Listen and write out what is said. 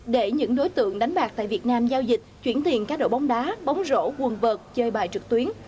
để những đối tượng đánh bạc tại việt nam giao dịch chuyển tiền các đội bóng đá bóng rổ quần vợt chơi bài trực tuyến